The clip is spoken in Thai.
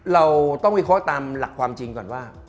เราต้องคิดข้อตามหลักความจริงก่อนว่า